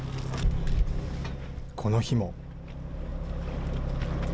この日も。